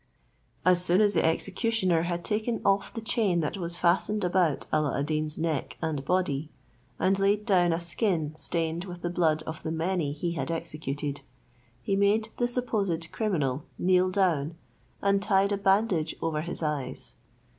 As soon as the executioner had taken off the chain that was fastened about Alla ad Deen's neck and body, and laid down a skin stained with the blood of the many he had executed, he made the supposed criminal kneel down, and tied a bandage over his eyes.